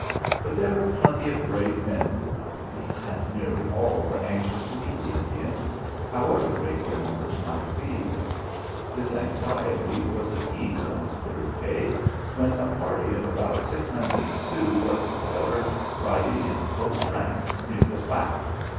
But there were plenty of brave men in the company, and nearly all were anxious to meet the Indians, however great their numbers might be. This anxiety was appeased on the third day, when a party of about six hundred Sioux was discovered riding in close ranks near the Platte.